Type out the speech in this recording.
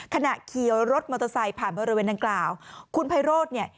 ขณะขี่รถมอเตอร์ไซค์ผ่านบริเวณดังกล่าวคุณไพโรธเนี่ย